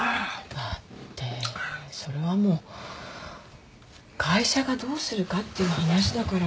だってそれはもう会社がどうするかっていう話だから。